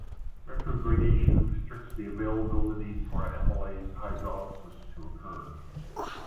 Retrogradation restricts the availability for amylase hydrolysis to occur.